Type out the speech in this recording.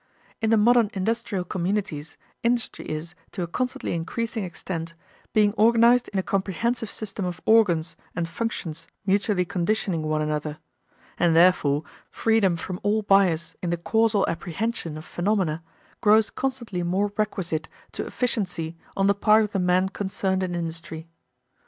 In the modern industrial communities, industry is, to a constantly increasing extent, being organized in a comprehensive system of organs and functions mutually conditioning one another; and therefore freedom from all bias in the causal apprehension of phenomena grows constantly more requisite to efficiency on the part of the men concerned in industry.